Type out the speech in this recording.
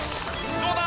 どうだ？